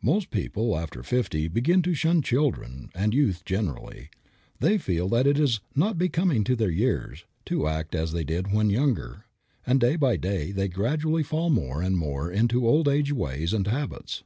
Most people after fifty begin to shun children and youth generally. They feel that it is not "becoming to their years" to act as they did when younger, and day by day they gradually fall more and more into old age ways and habits.